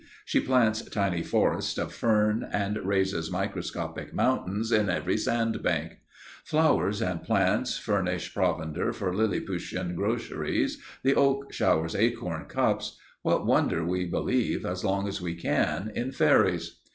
She plants tiny forests of fern and raises microscopic mountains in every sand bank. Flowers and plants furnish provender for Lilliputian groceries, the oak showers acorn cups; what wonder we believe, as long as we can, in fairies?